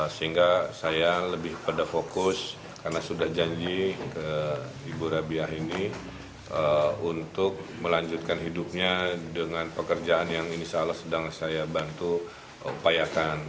sehingga saya lebih pada fokus karena sudah janji ke ibu rabiah ini untuk melanjutkan hidupnya dengan pekerjaan yang insya allah sedang saya bantu upayakan